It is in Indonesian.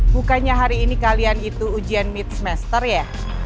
bukannya hari ini kalian itu ujian mit semester ya